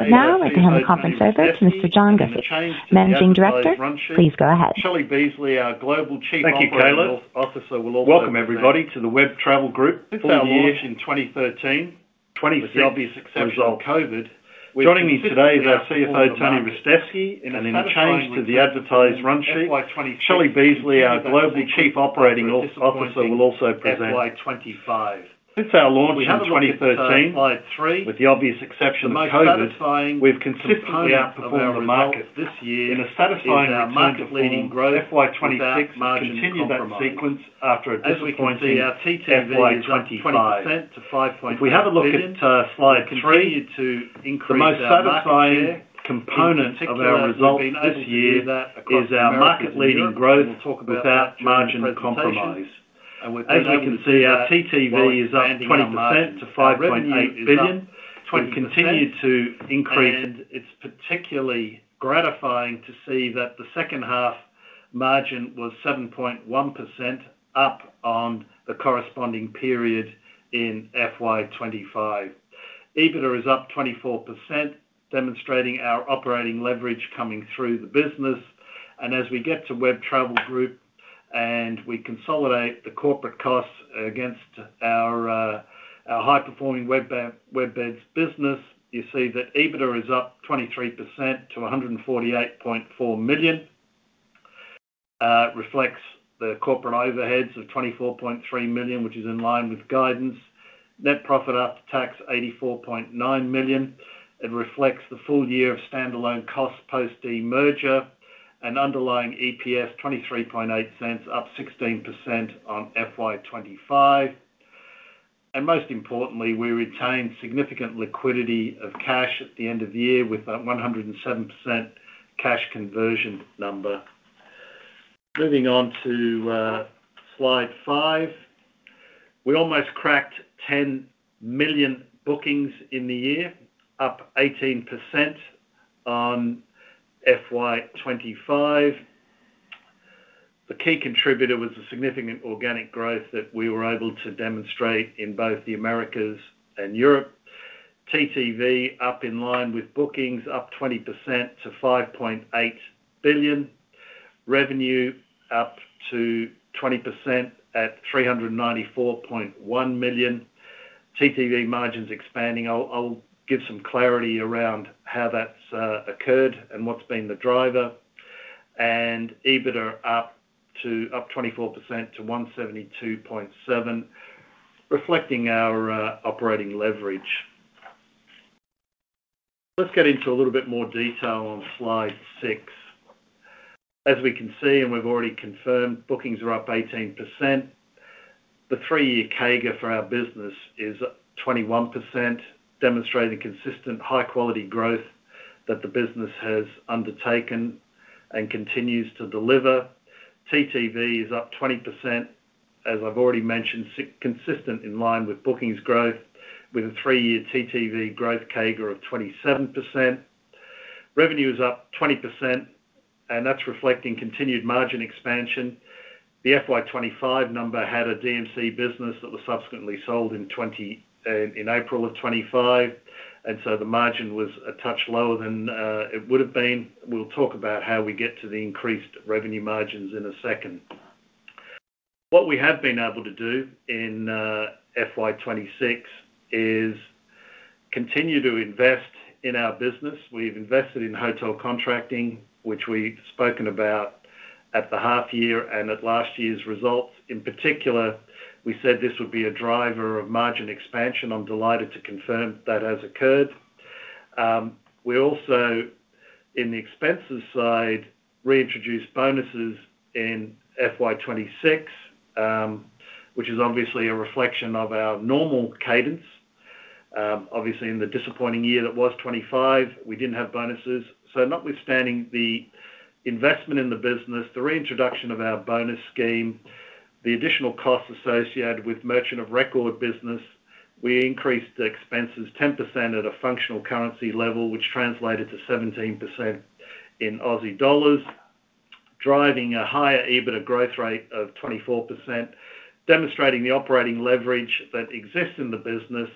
I'd like to hand the conference over to Mr. John Guscic, Managing Director. Please go ahead. Thank you, Caleb. Welcome, everybody, to the WEB Travel Group full year 2016 results. Joining me today is our CFO, Tony Ristevski. In a change to the advertised run sheet, Shelley Beasley, our Global Chief Operating Officer, will also present. If we have a look at slide three, the most satisfying component of our results this year is our market-leading growth without margin compromise. As we can see, our TTV is up 20% to 5.8 billion. We've continued to increase our market share. In particular, we've been able to do that across the Americas and Europe, we'll talk about that during the presentation. We've been able to do that while expanding our margins. Our revenue is up 20%, and it's particularly gratifying to see that the second half margin was 7.1% up on the corresponding period in FY 2025. EBITDA is up 24%, demonstrating our operating leverage coming through the business. As we get to WEB Travel Group and we consolidate the corporate costs against our high-performing WebBeds business, you see that EBITDA is up 23% to 148.4 million. Reflects the corporate overheads of 24.3 million, which is in line with guidance. Net profit after tax, 84.9 million. It reflects the full year of standalone costs post demerger and underlying EPS 0.238, up 16% on FY 2025. Most importantly, we retained significant liquidity of cash at the end of the year with that 107% cash conversion number. Moving on to slide five. We almost cracked 10 million bookings in the year, up 18% on FY 2025. The key contributor was the significant organic growth that we were able to demonstrate in both the Americas and Europe. TTV up in line with bookings, up 20% to 5.8 billion. Revenue up to 20% at 394.1 million. TTV margins expanding. I'll give some clarity around how that's occurred and what's been the driver. EBITDA up 24% to 172.7 million, reflecting our operating leverage. Let's get into a little bit more detail on slide six. As we can see, and we've already confirmed, bookings are up 18%. The three-year CAGR for our business is up 21%, demonstrating consistent high-quality growth that the business has undertaken and continues to deliver. TTV is up 20%, as I've already mentioned, consistent in line with bookings growth, with a three-year TTV growth CAGR of 27%. Revenue is up 20%, and that's reflecting continued margin expansion. The FY 2025 number had a DMC business that was subsequently sold in April of 2025, and so the margin was a touch lower than it would've been. We'll talk about how we get to the increased revenue margins in a second. What we have been able to do in FY 2026 is continue to invest in our business. We've invested in hotel contracting, which we've spoken about at the half year and at last year's results. In particular, we said this would be a driver of margin expansion. I'm delighted to confirm that has occurred. We also, on the expenses side, reintroduced bonuses in FY 2026, which is obviously a reflection of our normal cadence. Obviously, in the disappointing year that was 2025, we didn't have bonuses. Notwithstanding the investment in the business, the reintroduction of our bonus scheme, the additional costs associated with merchant of record business, we increased expenses 10% at a functional currency level, which translated to 17% in AUD, driving a higher EBITDA growth rate of 24%, demonstrating the operating leverage that exists in the business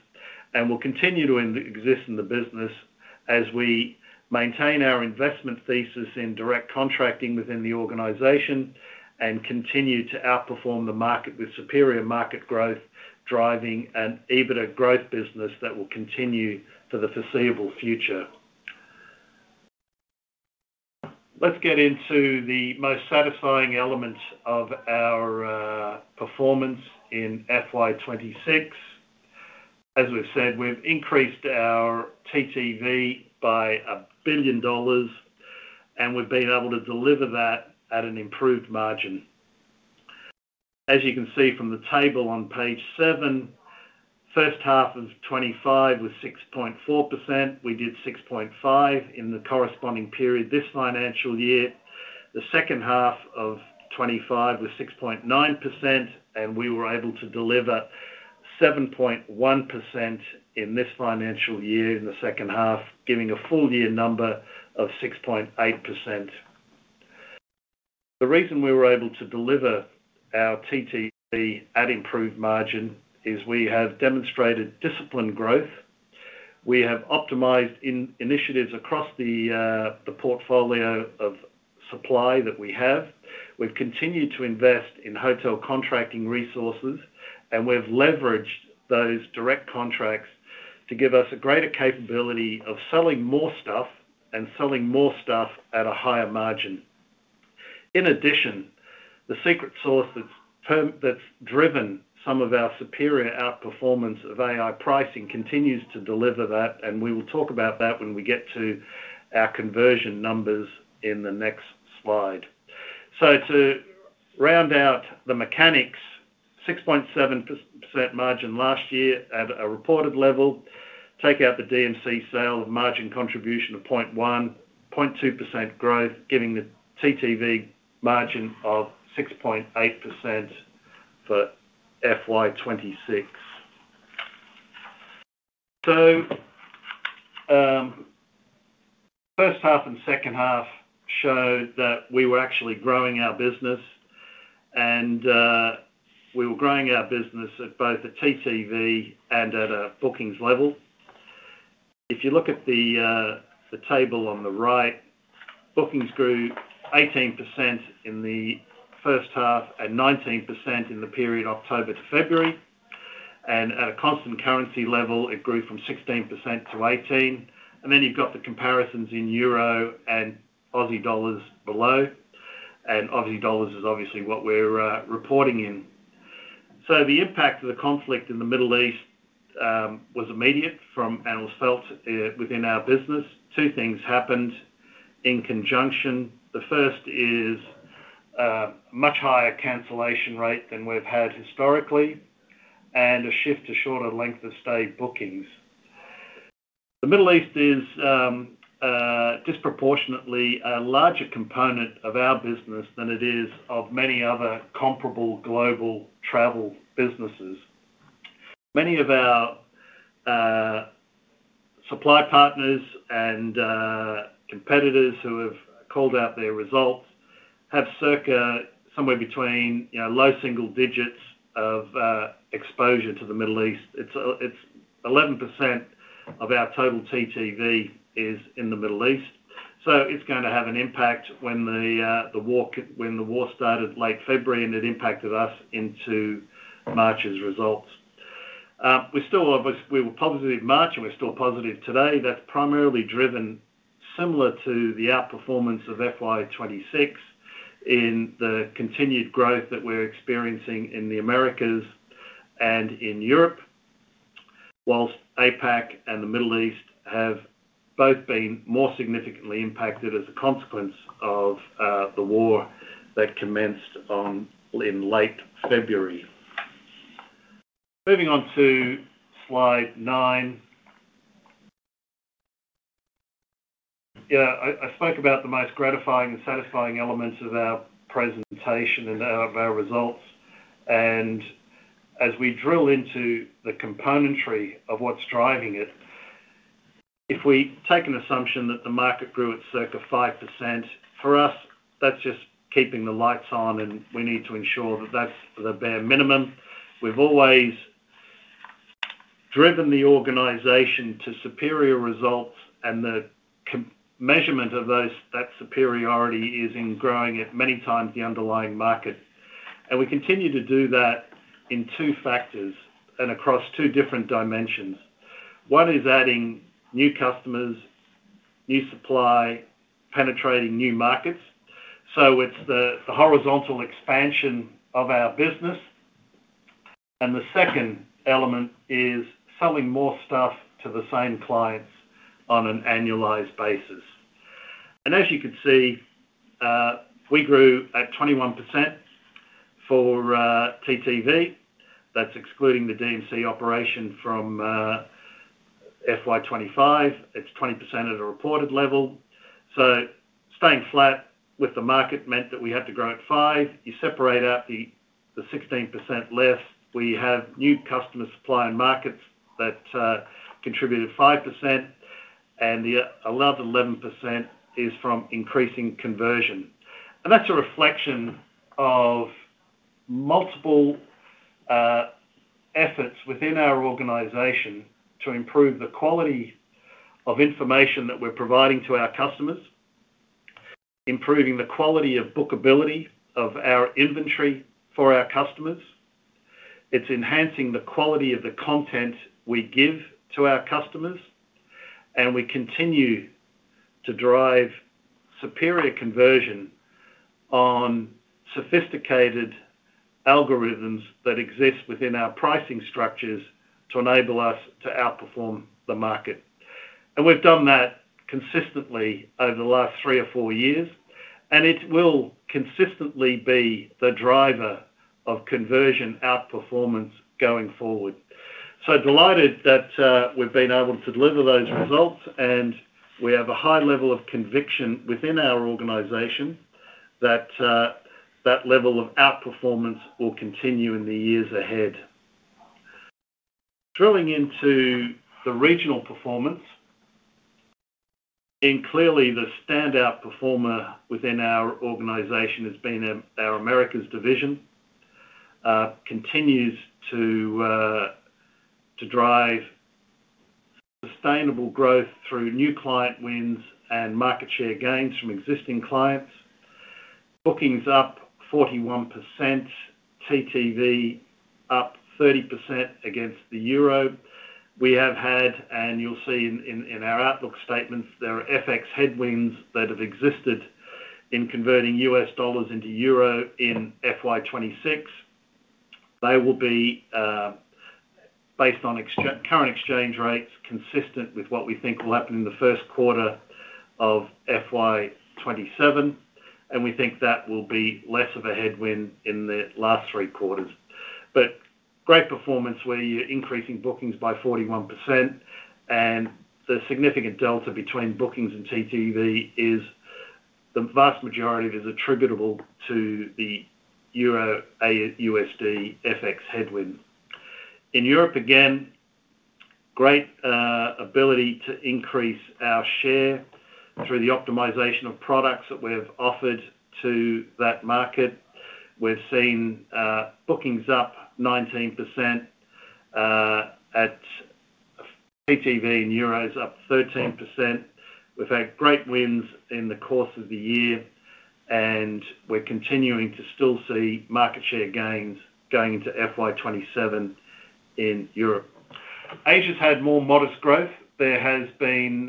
and will continue to exist in the business as we maintain our investment thesis in direct contracting within the organization and continue to outperform the market with superior market growth driving an EBITDA growth business that will continue for the foreseeable future. Let's get into the most satisfying element of our performance in FY 2026. As we've said, we've increased our TTV by 1 billion dollars, and we've been able to deliver that at an improved margin. As you can see from the table on page seven, first half of 2025 was 6.4%. We did 6.5% in the corresponding period this financial year. The second half of FY 2025 was 6.9%, and we were able to deliver 7.1% in this financial year in the second half, giving a full-year number of 6.8%. The reason we were able to deliver our TTV at improved margin is we have demonstrated disciplined growth. We have optimized initiatives across the portfolio of supply that we have. We've continued to invest in hotel contracting resources, and we've leveraged those direct contracts to give us a greater capability of selling more stuff and selling more stuff at a higher margin. In addition, the secret sauce that's driven some of our superior outperformance of AI pricing continues to deliver that, and we will talk about that when we get to our conversion numbers in the next slide. To round out the mechanics, 6.7% margin last year at a reported level. Take out the DMC sale of margin contribution of 0.1%, 0.2% growth, giving the TTV margin of 6.8% for FY 2026. First half and second half show that we were actually growing our business, and we were growing our business at both a TTV and at a bookings level. If you look at the table on the right, bookings grew 18% in the first half and 19% in the period October to February. At a constant currency level, it grew from 16% to 18%. You've got the comparisons in Euro and Australian Dollar below, and AUD is obviously what we're reporting in. The impact of the conflict in the Middle East was immediate and was felt within our business. Two things happened in conjunction. The first is a much higher cancellation rate than we've had historically and a shift to shorter length of stay bookings. The Middle East is disproportionately a larger component of our business than it is of many other comparable global travel businesses. Many of our supply partners and competitors who have called out their results have circa somewhere between low single digits of exposure to the Middle East. 11% of our total TTV is in the Middle East. It's going to have an impact when the war started late February, and it impacted us into March's results. We were positive March, and we're still positive today. That's primarily driven similar to the outperformance of FY 2026 in the continued growth that we're experiencing in the Americas and in Europe. Whilst APAC and the Middle East have both been more significantly impacted as a consequence of the war that commenced in late February. Moving on to slide nine. I spoke about the most gratifying and satisfying elements of our presentation and of our results. As we drill into the componentry of what's driving it, if we take an assumption that the market grew at circa 5%, for us, that's just keeping the lights on, and we need to ensure that that's the bare minimum. We've always driven the organization to superior results, and the measurement of that superiority is in growing at many times the underlying market. We continue to do that in two factors and across two different dimensions. One is adding new customers, new supply, penetrating new markets. It's the horizontal expansion of our business. The second element is selling more stuff to the same clients on an annualized basis. As you can see, we grew at 21% for TTV. That's excluding the DMC operation from FY 2025. It's 20% at a reported level. Staying flat with the market meant that we had to grow at five. You separate out the 16% less. We have new customer supply and markets that contributed 5%, the other 11% is from increasing conversion. That's a reflection of multiple efforts within our organization to improve the quality of information that we're providing to our customers, improving the quality of bookability of our inventory for our customers. It's enhancing the quality of the content we give to our customers, and we continue to drive superior conversion on sophisticated algorithms that exist within our pricing structures to enable us to outperform the market. We've done that consistently over the last three or four years, and it will consistently be the driver of conversion outperformance going forward. Delighted that we've been able to deliver those results, we have a high level of conviction within our organization that level of outperformance will continue in the years ahead. Drilling into the regional performance. Clearly, the standout performer within our organization has been our Americas division, continues to drive sustainable growth through new client wins and market share gains from existing clients. Bookings up 41%, TTV up 30% against the Euros. We have had, and you'll see in our outlook statements, there are FX headwinds that have existed in converting US dollars into Euro in FY 2026. They will be based on current exchange rates, consistent with what we think will happen in the first quarter of FY 2027, we think that will be less of a headwind in the last three quarters. Great performance where you're increasing bookings by 41%, and the significant delta between bookings and TTV is the vast majority of it is attributable to the euro USD FX headwind. In Europe, again, great ability to increase our share through the optimization of products that we've offered to that market. We've seen bookings up 19%, at TTV in Euros up 13%. We've had great wins in the course of the year, and we're continuing to still see market share gains going into FY 2027 in Europe. Asia's had more modest growth. There has been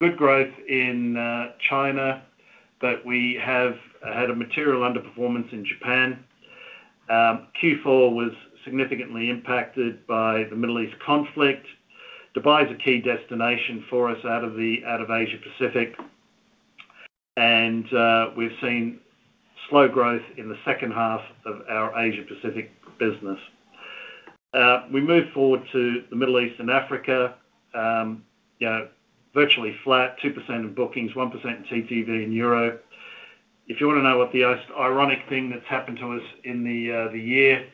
good growth in China, but we have had a material underperformance in Japan. Q4 was significantly impacted by the Middle East conflict. Dubai is a key destination for us out of Asia Pacific, and we've seen slow growth in the second half of our Asia Pacific business. We move forward to the Middle East and Africa. Virtually flat, 2% in bookings, 1% in TTV in Europe. If you want to know what the most ironic thing that's happened to us in the year,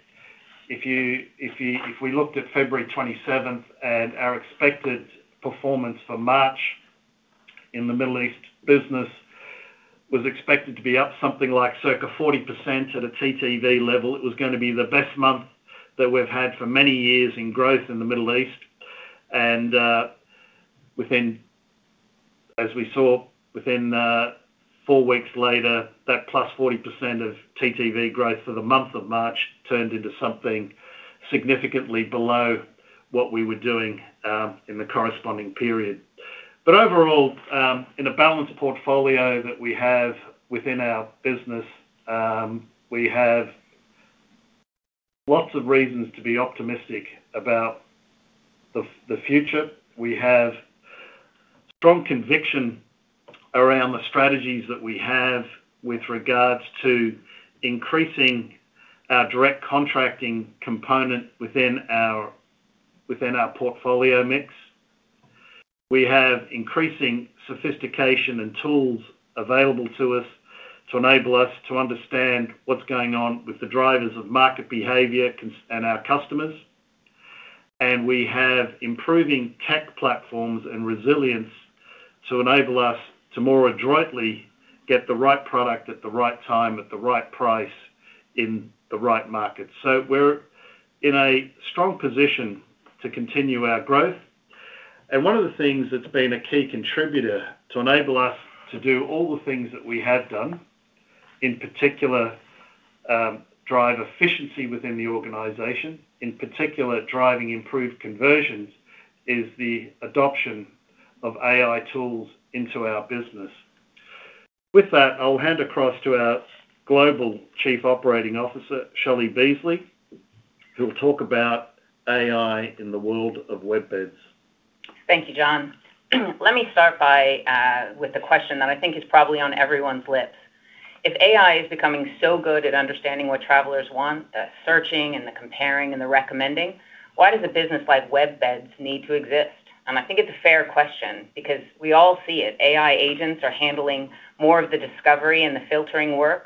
if we looked at February 27 and our expected performance for March in the Middle East business was expected to be up something like circa 40% at a TTV level. It was going to be the best month that we've had for many years in growth in the Middle East. As we saw within four weeks later, that +40% of TTV growth for the month of March turned into something significantly below what we were doing in the corresponding period. Overall, in a balanced portfolio that we have within our business, we have lots of reasons to be optimistic about the future. We have strong conviction around the strategies that we have with regards to increasing our direct contracting component within our portfolio mix. We have increasing sophistication and tools available to us to enable us to understand what's going on with the drivers of market behavior and our customers. We have improving tech platforms and resilience to enable us to more adroitly get the right product at the right time, at the right price, in the right market. We're in a strong position to continue our growth. One of the things that's been a key contributor to enable us to do all the things that we have done, in particular, drive efficiency within the organization, in particular, driving improved conversions, is the adoption of AI tools into our business. With that, I'll hand across to our Global Chief Operating Officer, Shelley Beasley, who will talk about AI in the world of WebBeds. Thank you, John. Let me start with the question that I think is probably on everyone's lips. If AI is becoming so good at understanding what travelers want, the searching and the comparing and the recommending, why does a business like WebBeds need to exist? I think it's a fair question because we all see it. AI agents are handling more of the discovery and the filtering work.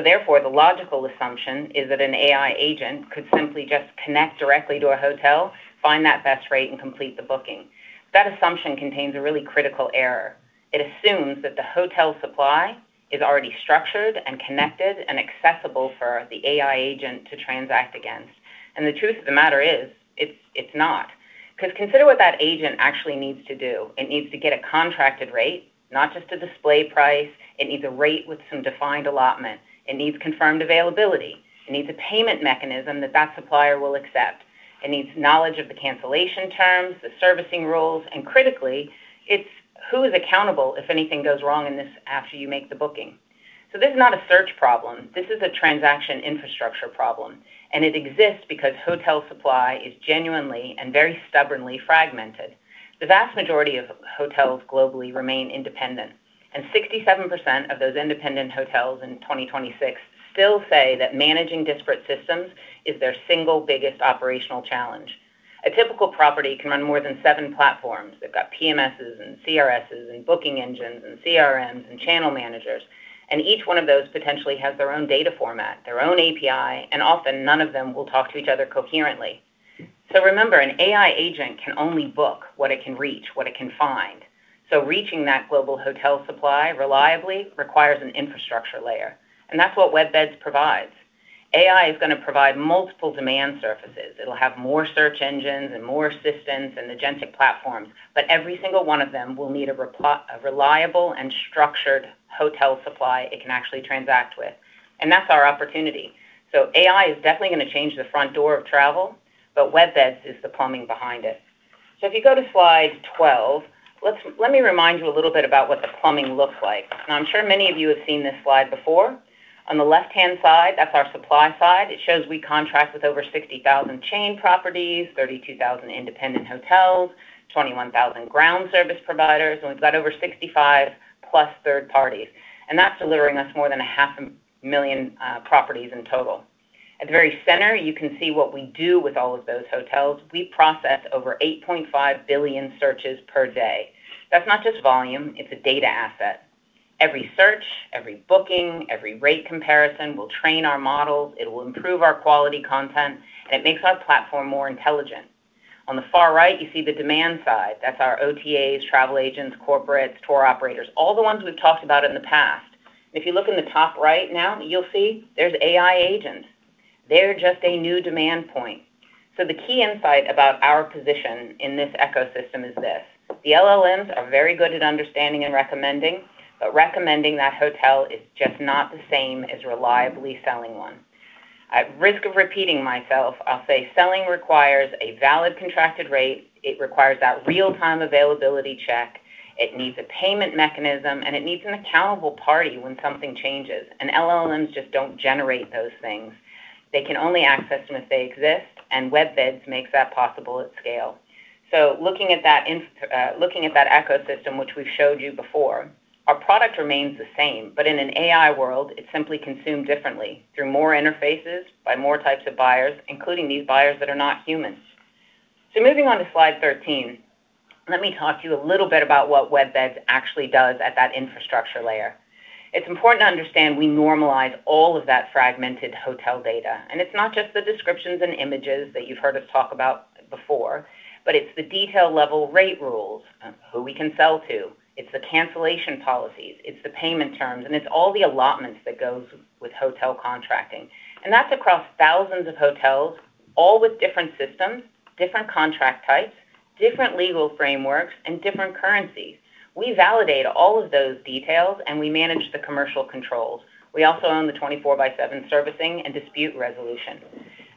Therefore, the logical assumption is that an AI agent could simply just connect directly to a hotel, find that best rate, and complete the booking. That assumption contains a really critical error. It assumes that the hotel supply is already structured and connected and accessible for the AI agent to transact against. The truth of the matter is, it's not. Because consider what that agent actually needs to do. It needs to get a contracted rate, not just a display price. It needs a rate with some defined allotment. It needs confirmed availability. It needs a payment mechanism that that supplier will accept. It needs knowledge of the cancellation terms, the servicing rules, and critically, it's who is accountable if anything goes wrong in this after you make the booking. This is not a search problem. This is a transaction infrastructure problem, and it exists because hotel supply is genuinely and very stubbornly fragmented. The vast majority of hotels globally remain independent, and 67% of those independent hotels in 2026 still say that managing disparate systems is their single biggest operational challenge. A typical property can run more than seven platforms. They've got PMSs, and CRSs, and booking engines, and CRMs, and channel managers. Each one of those potentially has their own data format, their own API, and often none of them will talk to each other coherently. Remember, an AI agent can only book what it can reach, what it can find. Reaching that global hotel supply reliably requires an infrastructure layer, and that's what WebBeds provides. AI is going to provide multiple demand surfaces. It'll have more search engines and more assistants and agentic platforms, but every single one of them will need a reliable and structured hotel supply it can actually transact with, and that's our opportunity. AI is definitely going to change the front door of travel, but WebBeds is the plumbing behind it. If you go to slide 12, let me remind you a little bit about what the plumbing looks like. Now, I'm sure many of you have seen this slide before. On the left-hand side, that's our supply side. It shows we contract with over 60,000 chain properties, 32,000 independent hotels, 21,000 ground service providers, and we've got over 65 plus third parties. That's delivering us more than a half a million properties in total. At the very center, you can see what we do with all of those hotels. We process over 8.5 billion searches per day. That's not just volume, it's a data asset. Every search, every booking, every rate comparison will train our models. It will improve our quality content, and it makes our platform more intelligent. On the far right, you see the demand side. That's our OTAs, travel agents, corporates, tour operators, all the ones we've talked about in the past. If you look in the top right now, you'll see there's AI agents. They're just a new demand point. The key insight about our position in this ecosystem is this. The LLMs are very good at understanding and recommending, but recommending that hotel is just not the same as reliably selling one. At risk of repeating myself, I'll say selling requires a valid contracted rate. It requires that real-time availability check. It needs a payment mechanism, and it needs an accountable party when something changes. LLMs just don't generate those things. They can only access them if they exist, and WebBeds makes that possible at scale. Looking at that ecosystem, which we've showed you before, our product remains the same. In an AI world, it's simply consumed differently through more interfaces by more types of buyers, including these buyers that are not humans. Moving on to slide 13, let me talk to you a little bit about what WebBeds actually does at that infrastructure layer. It's important to understand we normalize all of that fragmented hotel data, and it's not just the descriptions and images that you've heard us talk about before, but it's the detail level rate rules, who we can sell to. It's the cancellation policies. It's the payment terms, and it's all the allotments that goes with hotel contracting. That's across thousands of hotels, all with different systems, different contract types, different legal frameworks, and different currencies. We validate all of those details, and we manage the commercial controls. We also own the 24 by seven servicing and dispute resolution.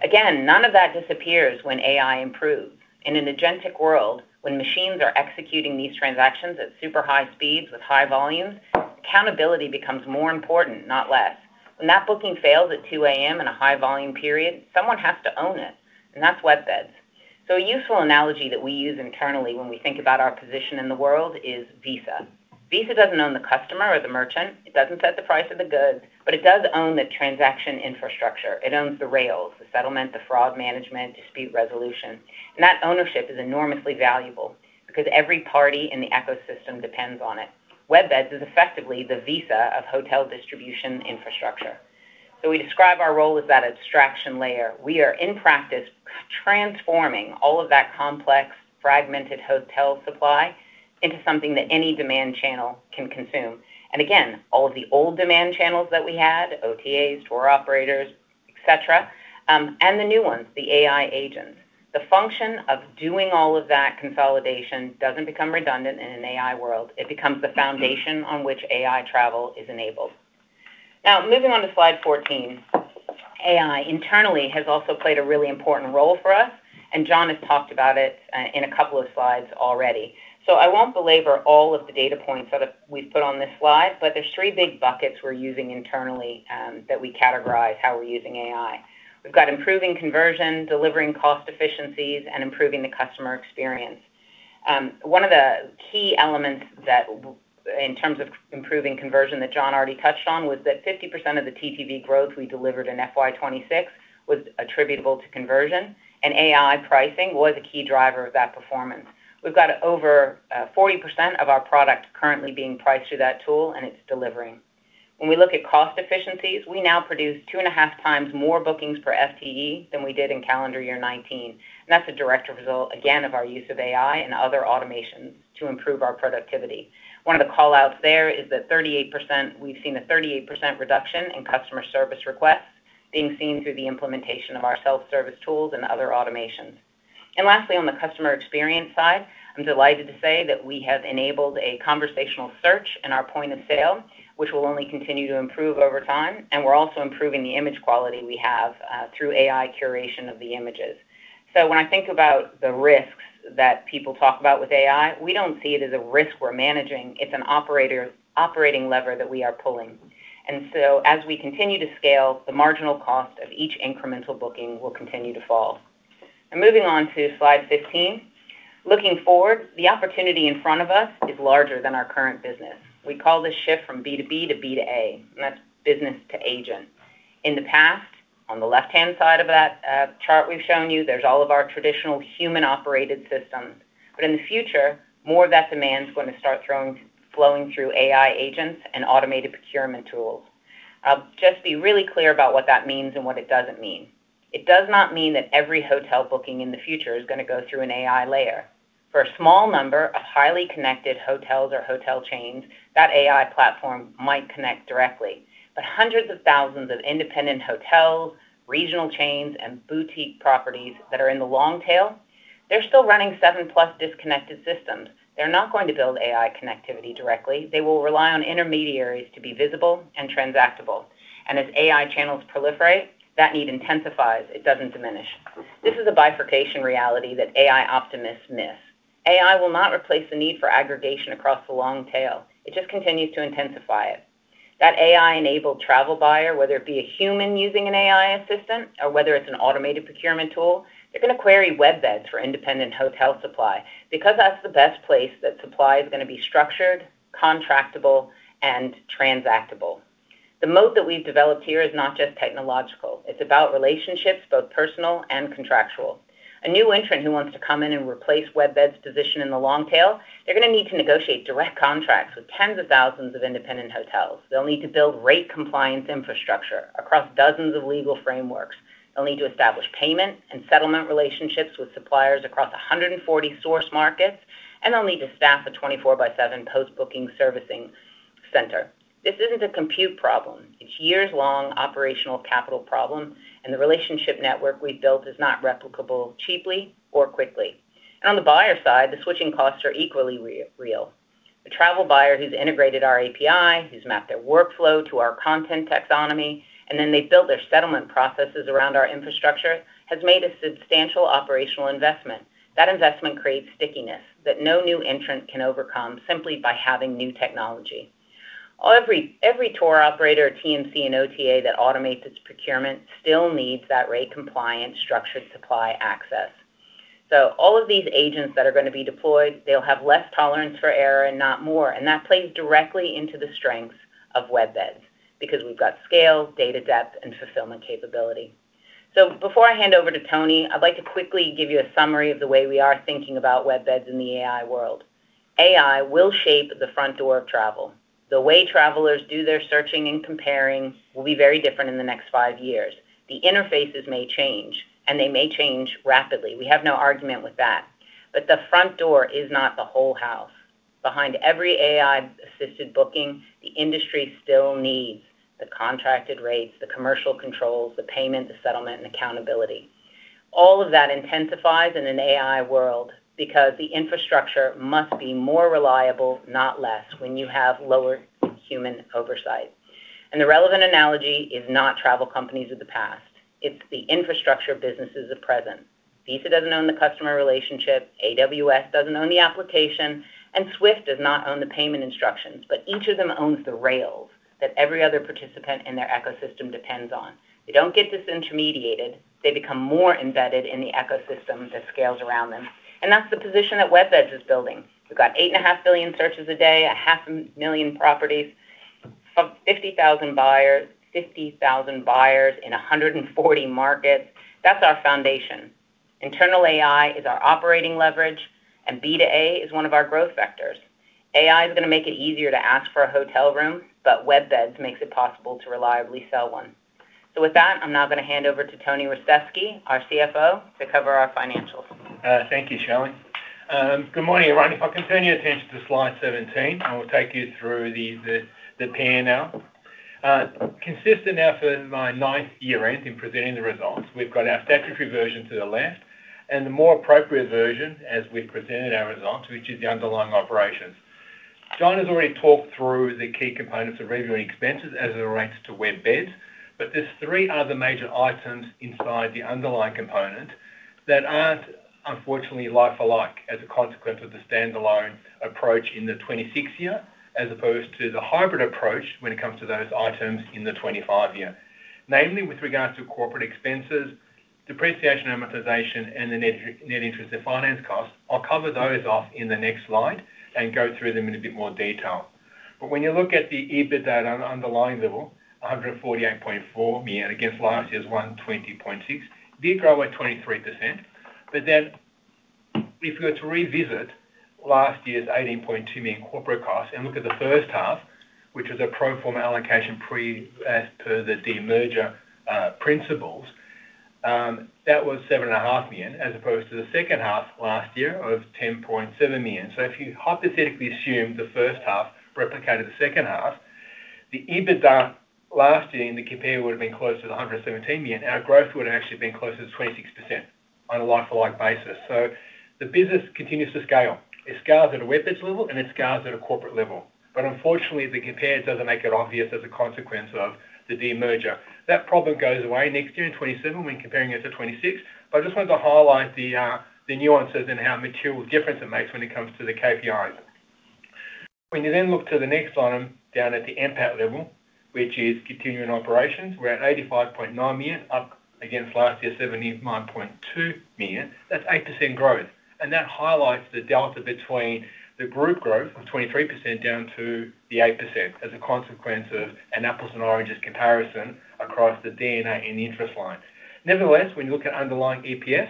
Again, none of that disappears when AI improves. In an agentic world, when machines are executing these transactions at super high speeds with high volumes, accountability becomes more important, not less. When that booking fails at 2:00 A.M. in a high volume period, someone has to own it, and that's WebBeds. A useful analogy that we use internally when we think about our position in the world is Visa. Visa doesn't own the customer or the merchant. It doesn't set the price of the goods, but it does own the transaction infrastructure. It owns the rails, the settlement, the fraud management, dispute resolution. That ownership is enormously valuable because every party in the ecosystem depends on it. WebBeds is effectively the Visa of hotel distribution infrastructure. We describe our role as that abstraction layer. We are, in practice, transforming all of that complex, fragmented hotel supply into something that any demand channel can consume. Again, all of the old demand channels that we had, OTAs, tour operators, et cetera, and the new ones, the AI agents. The function of doing all of that consolidation doesn't become redundant in an AI world. It becomes the foundation on which AI travel is enabled. Moving on to slide 14. AI internally has also played a really important role for us, and John has talked about it in a couple of slides already. I won't belabor all of the data points that we've put on this slide, but there's three big buckets we're using internally that we categorize how we're using AI. We've got improving conversion, delivering cost efficiencies, and improving the customer experience. One of the key elements in terms of improving conversion that John already touched on, was that 50% of the TTV growth we delivered in FY 2026 was attributable to conversion, and AI pricing was a key driver of that performance. We've got over 40% of our product currently being priced through that tool, and it's delivering. When we look at cost efficiencies, we now produce two and a half times more bookings per FTE than we did in calendar year 2019, and that's a direct result, again, of our use of AI and other automations to improve our productivity. One of the callouts there is that we've seen a 38% reduction in customer service requests being seen through the implementation of our self-service tools and other automations. Lastly, on the customer experience side, I'm delighted to say that we have enabled a conversational search in our point of sale, which will only continue to improve over time. We're also improving the image quality we have through AI curation of the images. When I think about the risks that people talk about with AI, we don't see it as a risk we're managing. It's an operating lever that we are pulling. As we continue to scale, the marginal cost of each incremental booking will continue to fall. Moving on to slide 15. Looking forward, the opportunity in front of us is larger than our current business. We call this shift from B2B to B2A, and that's business to agent. In the past, on the left-hand side of that chart we've shown you, there's all of our traditional human-operated systems. In the future, more of that demand is going to start flowing through AI agents and automated procurement tools. I'll just be really clear about what that means and what it doesn't mean. It does not mean that every hotel booking in the future is going to go through an AI layer. For a small number of highly connected hotels or hotel chains, that AI platform might connect directly. Hundreds of thousands of independent hotels, regional chains, and boutique properties that are in the long tail, they're still running 7-plus disconnected systems. They're not going to build AI connectivity directly. They will rely on intermediaries to be visible and transactable. As AI channels proliferate, that need intensifies, it doesn't diminish. This is a bifurcation reality that AI optimists miss. AI will not replace the need for aggregation across the long tail. It just continues to intensify it. That AI-enabled travel buyer, whether it be a human using an AI assistant or whether it's an automated procurement tool, they're going to query WebBeds for independent hotel supply because that's the best place that supply is going to be structured, contractable, and transactable. The mode that we've developed here is not just technological. It's about relationships, both personal and contractual. A new entrant who wants to come in and replace WebBeds' position in the long tail, they're going to need to negotiate direct contracts with tens of thousands of independent hotels. They'll need to build rate compliance infrastructure across dozens of legal frameworks. They'll need to establish payment and settlement relationships with suppliers across 140 source markets, and they'll need to staff a 24 by seven post-booking servicing center. This isn't a compute problem. It's years-long operational capital problem, and the relationship network we've built is not replicable cheaply or quickly. On the buyer side, the switching costs are equally real. The travel buyer who's integrated our API, who's mapped their workflow to our content taxonomy, and then they built their settlement processes around our infrastructure, has made a substantial operational investment. That investment creates stickiness that no new entrant can overcome simply by having new technology. Every tour operator, TMC, and OTA that automates its procurement still needs that rate compliance structured supply access. All of these agents that are going to be deployed, they'll have less tolerance for error and not more, and that plays directly into the strengths of WebBeds because we've got scale, data depth, and fulfillment capability. Before I hand over to Tony, I'd like to quickly give you a summary of the way we are thinking about WebBeds in the AI world. AI will shape the front door of travel. The way travelers do their searching and comparing will be very different in the next five years. The interfaces may change, and they may change rapidly. We have no argument with that. The front door is not the whole house. Behind every AI-assisted booking, the industry still needs the contracted rates, the commercial controls, the payment, the settlement, and accountability. All of that intensifies in an AI world because the infrastructure must be more reliable, not less, when you have lower human oversight. The relevant analogy is not travel companies of the past. It's the infrastructure businesses of present. Visa doesn't own the customer relationship, AWS doesn't own the application, Swift does not own the payment instructions, but each of them owns the rails that every other participant in their ecosystem depends on. They don't get disintermediated. They become more embedded in the ecosystems that scales around them, that's the position that WebBeds is building. We've got 8.5 billion searches a day, 500,000 properties, 50,000 buyers in 140 markets. That's our foundation. Internal AI is our operating leverage, B2A is one of our growth vectors. AI is going to make it easier to ask for a hotel room, WebBeds makes it possible to reliably sell one. With that, I'm now going to hand over to Tony Ristevski, our CFO, to cover our financials. Thank you, Shelley. Good morning, everyone. If I can turn your attention to slide 17, I will take you through the P&L. Consistent now for my ninth year-end in presenting the results, we've got our statutory version to the left, and the more appropriate version as we've presented our results, which is the underlying operations. John has already talked through the key components of revenue expenses as it relates to WebBeds, but there's three other major items inside the underlying component that aren't, unfortunately, like for like as a consequence of the stand-alone approach in the 2026 year as opposed to the hybrid approach when it comes to those items in the 2025 year. Namely, with regards to corporate expenses, depreciation, amortization, and the net interest and finance costs. I'll cover those off in the next slide and go through them in a bit more detail. When you look at the EBITDA on an underlying level, 148.4 million against last year's 120.6 million, did grow at 23%. If we were to revisit last year's 18.2 million corporate costs and look at the first half, which was a pro forma allocation as per the demerger principles, that was seven and a half million, as opposed to the second half last year of 10.7 million. If you hypothetically assume the first half replicated the second half, the EBITDA last year in the compare would have been closer to 117 million. Our growth would have actually been closer to 26% on a like-for-like basis. The business continues to scale. It scales at a WebBeds level, and it scales at a corporate level. Unfortunately, the compare doesn't make it obvious as a consequence of the demerger. That problem goes away next year in 2027 when comparing it to 2026. I just wanted to highlight the nuances and how material difference it makes when it comes to the KPIs. When you then look to the next item down at the NPAT level, which is continuing operations, we're at 85.9 million, up against last year's 79.2 million. That's 8% growth. That highlights the delta between the group growth of 23% down to the 8% as a consequence of an apples and oranges comparison across the D&A and the interest line. When you look at underlying EPS,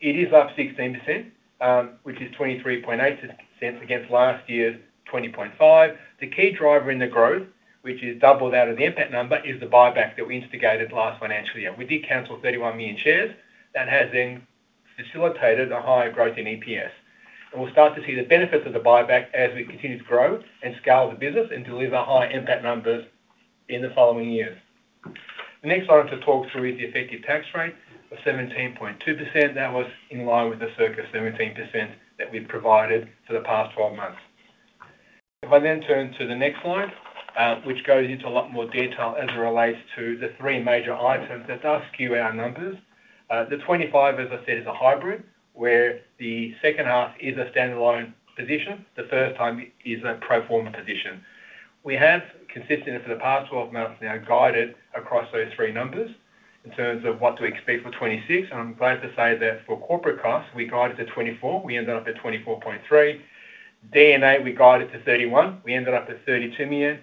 it is up 16%, which is 0.238 against last year's 0.205. The key driver in the growth, which is double that of the NPAT number, is the buyback that we instigated last financial year. We did cancel 31 million shares. That has then facilitated a higher growth in EPS. We'll start to see the benefits of the buyback as we continue to grow and scale the business and deliver higher NPAT numbers in the following years. The next item to talk through is the effective tax rate of 17.2%. That was in line with the circa 17% that we've provided for the past 12 months. I turn to the next slide, which goes into a lot more detail as it relates to the three major items that does skew our numbers. The 2025, as I said, is a hybrid, where the second half is a standalone position. The first half is a pro forma position. We have, consistent for the past 12 months now, guided across those three numbers in terms of what to expect for 2026. I'm glad to say that for corporate costs, we guided to 24, we ended up at 24.3. D&A, we guided to 31 million, we ended up at 32 million.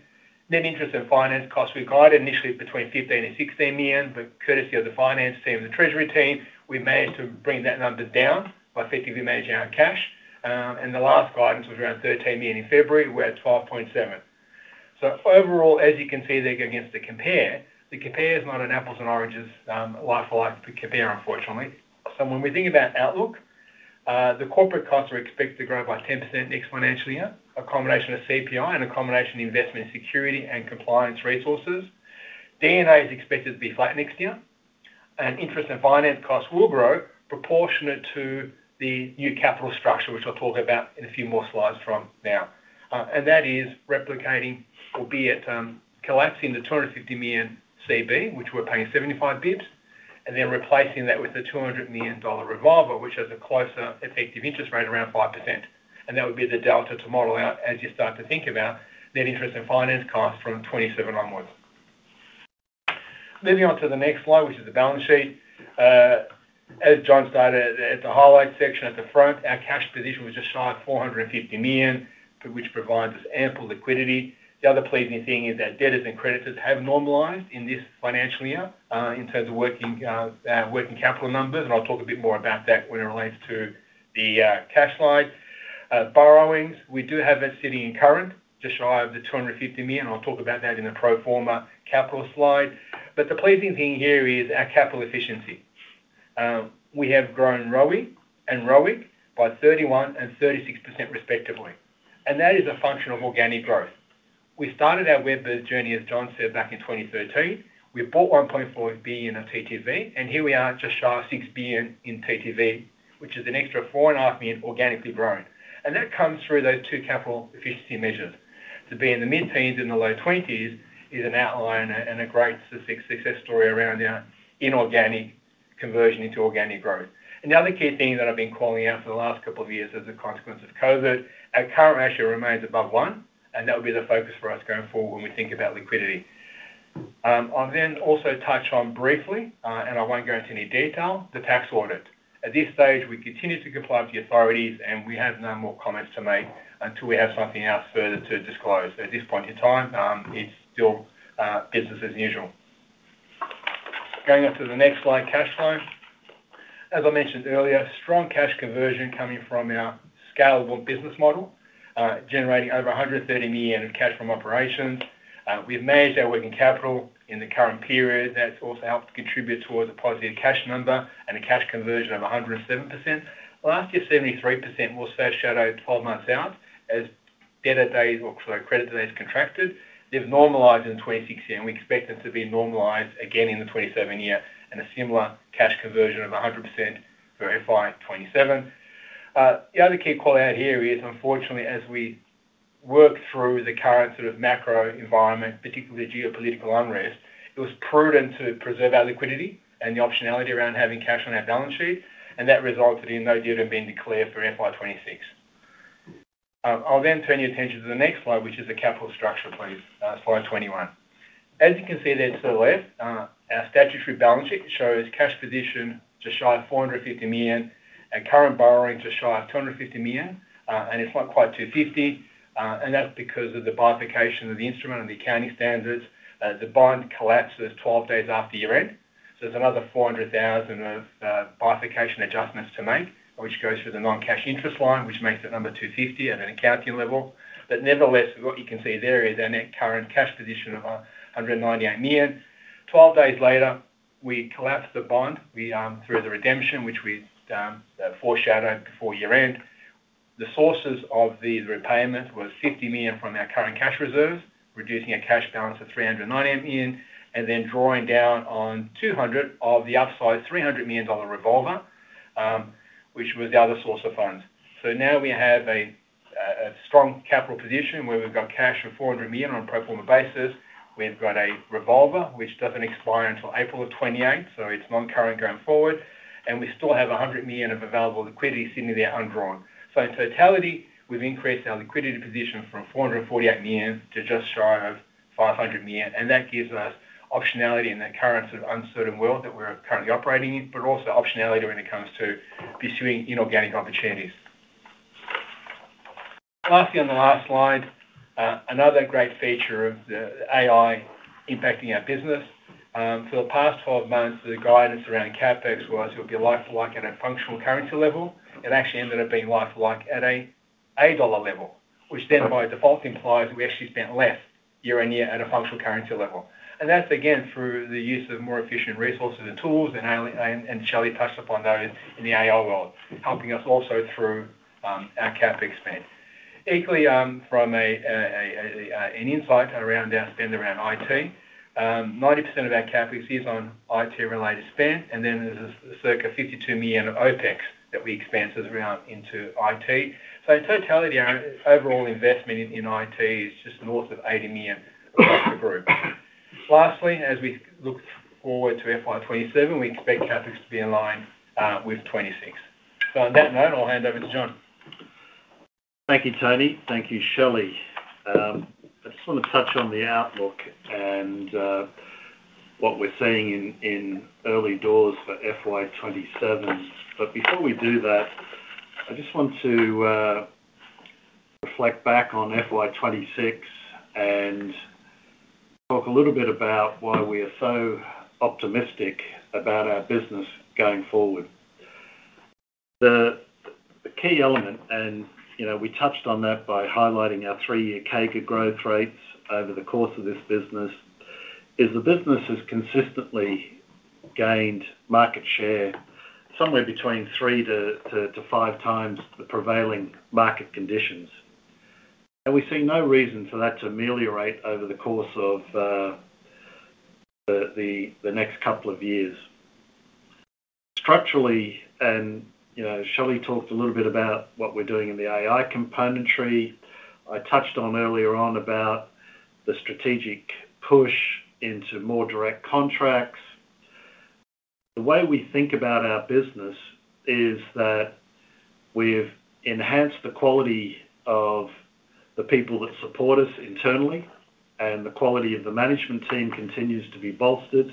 Net interest and finance costs, we guided initially between 15 million and 16 million, but courtesy of the finance team and the treasury team, we managed to bring that number down by effectively managing our cash. The last guidance was around 13 million in February. We're at 12.7 million. Overall, as you can see there against the compare, the compare is not an apples and oranges, like for like compare, unfortunately. When we think about outlook, the corporate costs are expected to grow by 10% next financial year, a combination of CPI and a combination investment in security and compliance resources. D&A is expected to be flat next year. Interest and finance costs will grow proportionate to the new capital structure, which I'll talk about in a few more slides from now. That is replicating, albeit, collapsing the 250 million CB, which we are paying 75 bps, and then replacing that with an 200 million dollar revolver, which has a closer effective interest rate around 5%. That would be the delta to model out as you start to think about net interest and finance costs from 2027 onwards. Moving on to the next slide, which is the balance sheet. As John stated at the highlight section at the front, our cash position was just shy of 450 million, which provides us ample liquidity. The other pleasing thing is our debtors and creditors have normalized in this financial year, in terms of working capital numbers, and I will talk a bit more about that when it relates to the cash slide. Borrowings, we do have that sitting in current, just shy of the 250 million, and I'll talk about that in the pro forma capital slide. The pleasing thing here is our capital efficiency. We have grown ROE and ROIC by 31% and 36%, respectively, and that is a function of organic growth. We started our WEB journey, as John Guscic said, back in 2013. We bought 1.4 billion of TTV, and here we are just shy of 6 billion in TTV, which is an extra 4.5 million organically grown. That comes through those two capital efficiency measures. To be in the mid-teens and the low twenties is an outlier and a great success story around our inorganic conversion into organic growth. Another key thing that I've been calling out for the last couple of years as a consequence of COVID, our current ratio remains above one, and that will be the focus for us going forward when we think about liquidity. I'll also touch on briefly, and I won't go into any detail, the tax audit. At this stage, we continue to comply with the authorities, and we have no more comments to make until we have something else further to disclose. At this point in time, it's still business as usual. Going on to the next slide, cash flow. As I mentioned earlier, strong cash conversion coming from our scalable business model, generating over 130 million of cash from operations. We've managed our working capital in the current period. That's also helped contribute towards a positive cash number and a cash conversion of 107%. Last year's 73% will foreshadow 12 months out as debtor days, or sorry, credit days contracted. We expect them to be normalized again in the 2027 year and a similar cash conversion of 100% for FY 2027. The other key call-out here is, unfortunately, as we work through the current macro environment, particularly geopolitical unrest, it was prudent to preserve our liquidity and the optionality around having cash on our balance sheet. That resulted in no dividend being declared for FY 2026. I'll turn your attention to the next slide, which is the capital structure please, slide 21. As you can see there to the left, our statutory balance sheet shows cash position just shy of 450 million and current borrowing just shy of 250 million. It's not quite 250, and that's because of the bifurcation of the instrument and the accounting standards. The bond collapses 12 days after year-end. There's another 400,000 of bifurcation adjustments to make, which goes through the non-cash interest line, which makes that number 250 at an accounting level. Nevertheless, what you can see there is our net current cash position of 198 million. 12 days later, we collapsed the bond through the redemption, which we foreshadowed before year-end. The sources of the repayment were 50 million from our current cash reserves, reducing our cash balance of 390 million, and then drawing down on 200 of the upsized 300 million dollar revolver, which was the other source of funds. Now we have a strong capital position where we've got cash of 400 million on a pro forma basis. We've got a revolver, which doesn't expire until April of 2028, so it's non-current going forward. We still have 100 million of available liquidity sitting there undrawn. In totality, we've increased our liquidity position from 448 million to just shy of 500 million, and that gives us optionality in the current sort of uncertain world that we're currently operating in, but also optionality when it comes to pursuing inorganic opportunities. Lastly, on the last slide, another great feature of the AI impacting our business. For the past 12 months, the guidance around CapEx was it would be like for like at a functional currency level. It actually ended up being like for like at an AUD level, which then by default implies we actually spent less year on year at a functional currency level. That's again, through the use of more efficient resources and tools and Shelley touched upon those in the AI world. Helping us also through, our CapEx spend. Equally, from an insight around our spend around IT. 90% of our CapEx is on IT related spend, and then there's a circa 52 million of OpEx that we expense around into IT. In totality, our overall investment in IT is just north of 80 million across the group. Lastly, as we look forward to FY 2027, we expect CapEx to be in line with FY 2026. On that note, I'll hand over to John. Thank you, Tony. Thank you, Shelley. I just want to touch on the outlook and what we're seeing in early doors for FY 2027. Before we do that, I just want to reflect back on FY 2026 and talk a little bit about why we are so optimistic about our business going forward. The key element, and we touched on that by highlighting our three-year CAGR growth rates over the course of this business, is the business has consistently gained market share somewhere between three to five times the prevailing market conditions. We see no reason for that to ameliorate over the course of the next couple of years. Structurally, and Shelley talked a little bit about what we're doing in the AI componentry. I touched on earlier on about the strategic push into more direct contracts. The way we think about our business is that we've enhanced the quality of the people that support us internally, and the quality of the management team continues to be bolstered.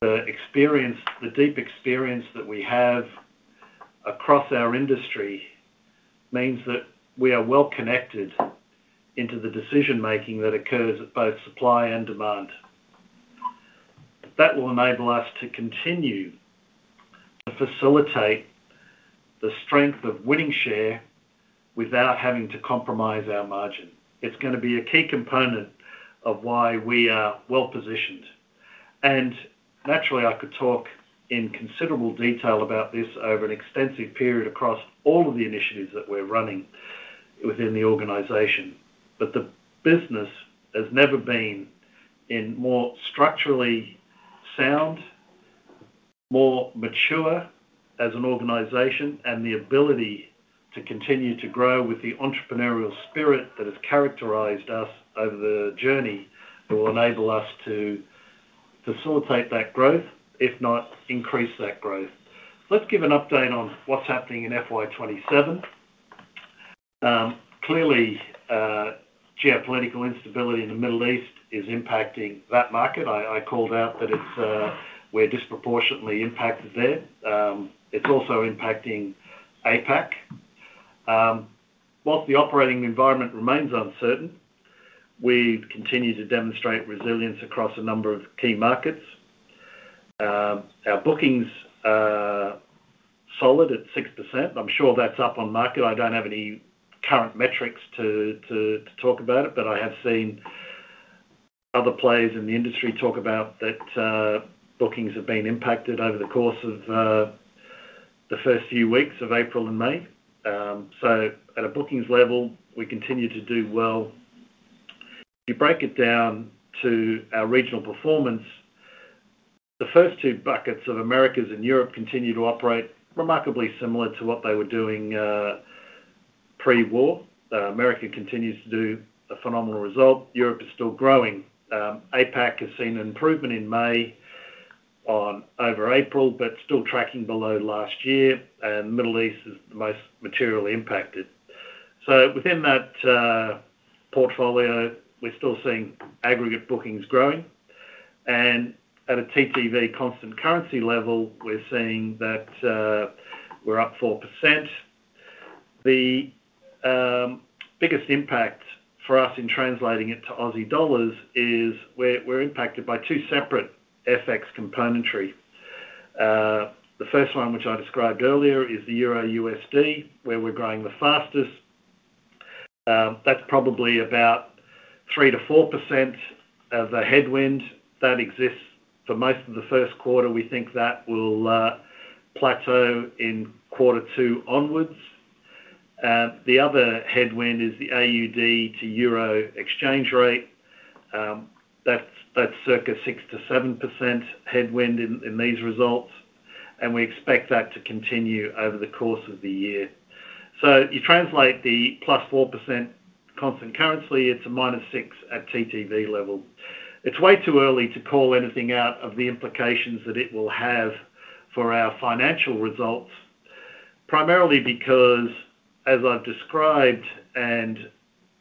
The deep experience that we have across our industry means that we are well connected into the decision-making that occurs at both supply and demand. That will enable us to continue to facilitate the strength of winning share without having to compromise our margin. It's going to be a key component of why we are well-positioned. Naturally, I could talk in considerable detail about this over an extensive period across all of the initiatives that we're running within the organization. The business has never been in more structurally sound, more mature as an organization, and the ability to continue to grow with the entrepreneurial spirit that has characterized us over the journey will enable us to facilitate that growth, if not increase that growth. Let's give an update on what's happening in FY 2027. Clearly, geopolitical instability in the Middle East is impacting that market. I called out that we're disproportionately impacted there. It's also impacting APAC. Whilst the operating environment remains uncertain, we continue to demonstrate resilience across a number of key markets. Our bookings are solid at 6%. I'm sure that's up on market. I don't have any current metrics to talk about it, but I have seen other players in the industry talk about that bookings have been impacted over the course of the first few weeks of April and May. At a bookings level, we continue to do well. If you break it down to our regional performance, the first two buckets of Americas and Europe continue to operate remarkably similar to what they were doing pre-war. America continues to do a phenomenal result. Europe is still growing. APAC has seen an improvement in May over April, but still tracking below last year. Middle East is the most materially impacted. Within that portfolio, we're still seeing aggregate bookings growing. At a TTV constant currency level, we're seeing that we're up 4%. The biggest impact for us in translating it to AUD is we're impacted by two separate FX componentry. The first one, which I described earlier, is the Euro USD, where we're growing the fastest. That's probably about 3%-4% as a headwind that exists for most of the first quarter. We think that will plateau in quarter 2 onwards. The other headwind is the AUD to Euro exchange rate. That's circa 6%-7% headwind in these results. We expect that to continue over the course of the year. You translate the +4% constant currency, it's a -6% at TTV level. It's way too early to call anything out of the implications that it will have for our financial results. Primarily because, as I've described and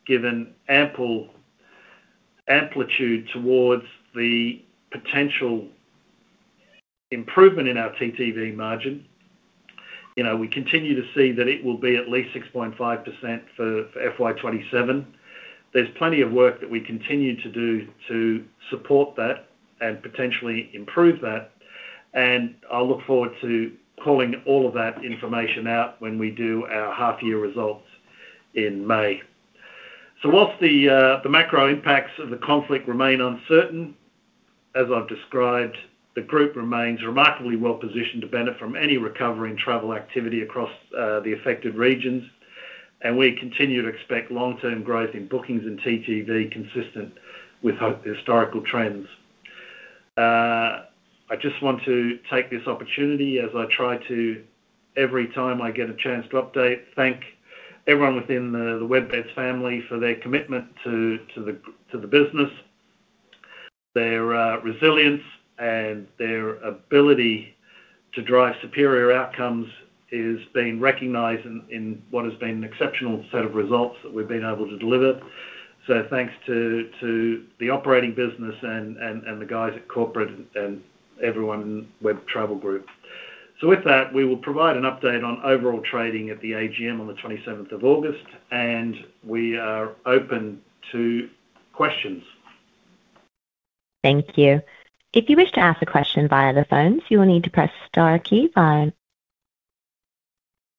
given ample amplitude towards the potential improvement in our TTV margin, we continue to see that it will be at least 6.5% for FY 2027. There's plenty of work that we continue to do to support that and potentially improve that, and I'll look forward to calling all of that information out when we do our half-year results in May. Whilst the macro impacts of the conflict remain uncertain, as I've described, the group remains remarkably well-positioned to benefit from any recovery in travel activity across the affected regions, and we continue to expect long-term growth in bookings and TTV consistent with the historical trends. I just want to take this opportunity as I try to, every time I get a chance to update, thank everyone within the WebBeds family for their commitment to the business. Their resilience and their ability to drive superior outcomes is being recognized in what has been an exceptional set of results that we've been able to deliver. Thanks to the operating business and the guys at corporate and everyone in WEB Travel Group. With that, we will provide an update on overall trading at the AGM on the 27th of August, and we are open to questions. Thank you. If you wish to ask a question via the phones, you will need to press star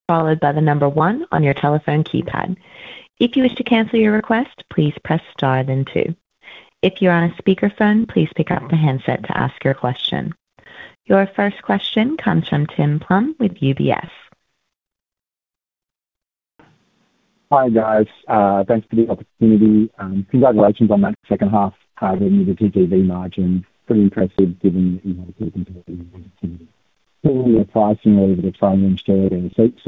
followed by one on your telephone keypad. If you wish to cancel your request, please press star then two. If you're on a speakerphone, please pick up the handset to ask your question. Your first question comes from Tim Plumbe with UBS. Hi, guys. Thanks for the opportunity. Congratulations on that second half target and the TTV margin. Pretty impressive given the competitive intensity.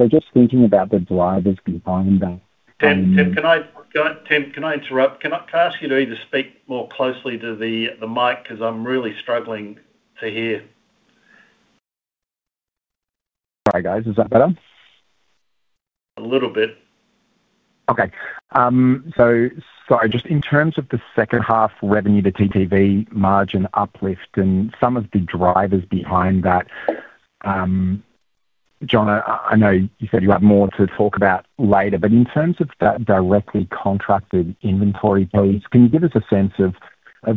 Just thinking about the drivers behind that. Tim, can I interrupt? Can I ask you to either speak more closely to the mic because I'm really struggling to hear? Sorry, guys. Is that better? A little bit. Sorry. Just in terms of the second half revenue to TTV margin uplift and some of the drivers behind that. John, I know you said you have more to talk about later, in terms of that directly contracted inventory base, can you give us a sense of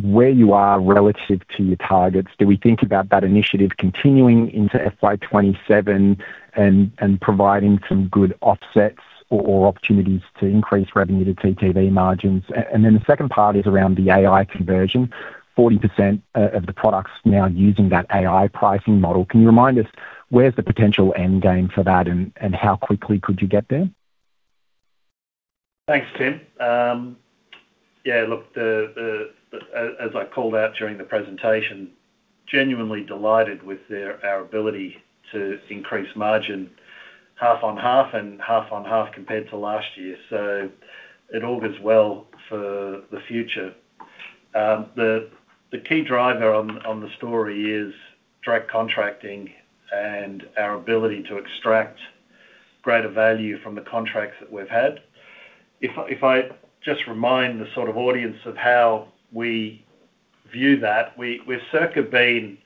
where you are relative to your targets? Do we think about that initiative continuing into FY 2027 and providing some good offsets or opportunities to increase revenue to TTV margins? The second part is around the AI conversion. 40% of the products now using that AI pricing model. Can you remind us where's the potential end game for that and how quickly could you get there? Thanks, Tim. Yeah, look, as I called out during the presentation, genuinely delighted with our ability to increase margin half on half and half on half compared to last year. It all bodes well for the future. The key driver on the story is direct contracting and our ability to extract greater value from the contracts that we've had. If I just remind the audience of how we view that. We've circa been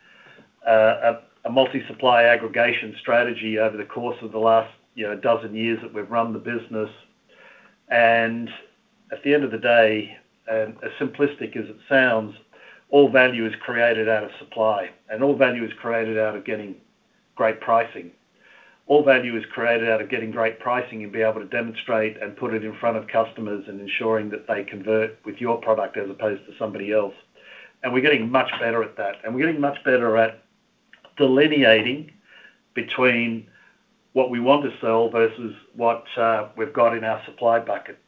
a multi-supply aggregation strategy over the course of the last dozen years that we've run the business. At the end of the day, as simplistic as it sounds, all value is created out of supply, and all value is created out of getting great pricing. All value is created out of getting great pricing you'll be able to demonstrate and put it in front of customers and ensuring that they convert with your product as opposed to somebody else. We're getting much better at that. We're getting much better at delineating between what we want to sell versus what we've got in our supply bucket.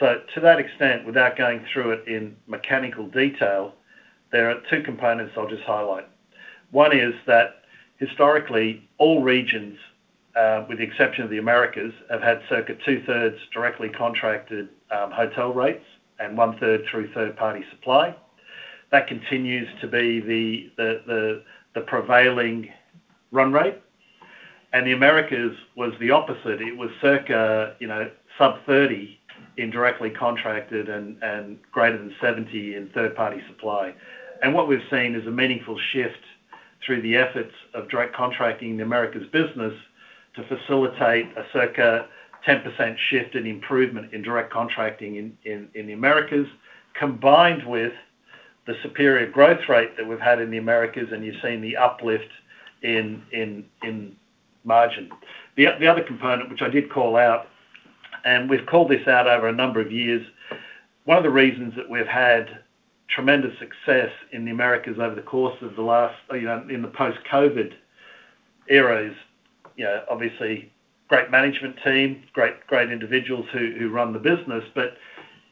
To that extent, without going through it in mechanical detail, there are two components I'll just highlight. One is that historically, all regions, with the exception of the Americas, have had circa two-thirds directly contracted hotel rates and one-third through third-party supply. That continues to be the prevailing run rate. The Americas was the opposite. It was circa sub 30 in directly contracted and greater than 70 in third-party supply. What we've seen is a meaningful shift through the efforts of direct contracting in the Americas business to facilitate a circa 10% shift in improvement in direct contracting in the Americas, combined with the superior growth rate that we've had in the Americas, and you're seeing the uplift in margin. The other component, which I did call out, and we've called this out over a number of years. One of the reasons that we've had tremendous success in the Americas over the course of the last in the post-COVID era is obviously great management team, great individuals who run the business.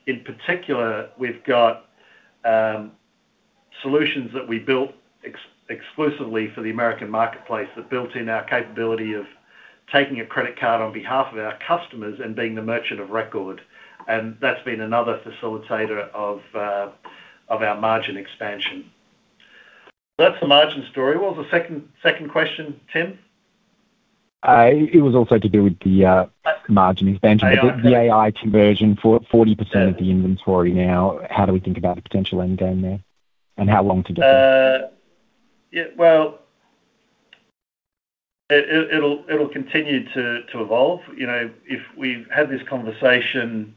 In particular, we've got solutions that we built exclusively for the American marketplace that built in our capability of taking a credit card on behalf of our customers and being the merchant of record. That's been another facilitator of our margin expansion. That's the margin story. What was the second question, Tim? It was also to do with the margin expansion. AI The AI conversion for 40% of the inventory now, how do we think about the potential end game there and how long to get there? Well, it'll continue to evolve. If we've had this conversation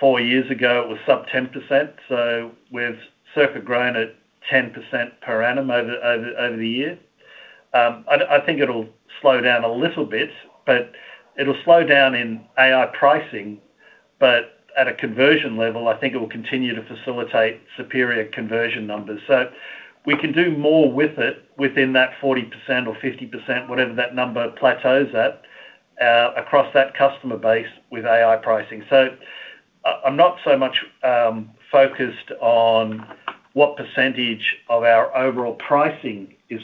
four years ago, it was sub 10%. We've circa grown at 10% per annum over the year. I think it'll slow down a little bit. It'll slow down in AI pricing. At a conversion level, I think it will continue to facilitate superior conversion numbers. We can do more with it within that 40% or 50%, whatever that number plateaus at, across that customer base with AI pricing. I'm not so much focused on what percentage of our overall pricing is